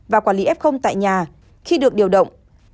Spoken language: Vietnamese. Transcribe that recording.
và quản lý f tại nhà khi được điều động